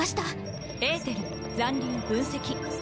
エーテル残留分析。